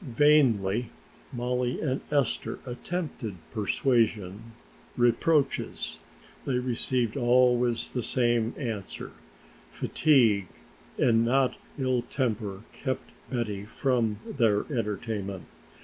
Vainly Mollie and Esther attempted persuasion, reproaches, they received always the same answer fatigue and not ill temper kept Betty from their entertainment.